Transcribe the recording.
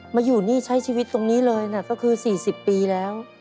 มาอยู่ช่วยชีวิตตรงนี้เลยก็คือสี่สี่ปีแล้ว